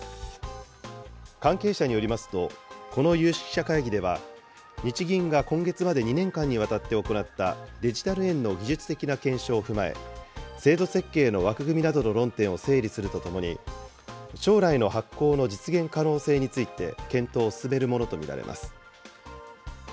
関係者によりますと、この有識者会議では、日銀が今月まで２年間にわたって行った、デジタル円の技術的な検証を踏まえ、制度設計の枠組みなどの論点を整理するとともに、将来の発行の実現可能性について、検討を進めるものと見られます。